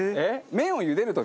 麺を茹でる時？